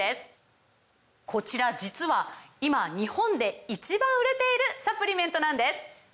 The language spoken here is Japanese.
こちら実は今日本で１番売れているサプリメントなんです！